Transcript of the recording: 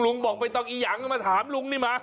บอกไม่ต้องอียังมาถามลุงนี่มา